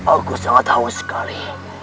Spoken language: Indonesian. aku sangat haus sekali